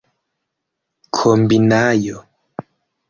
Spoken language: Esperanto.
kombinaĵo